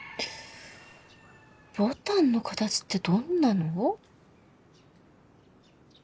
牡丹の形ってどんなの？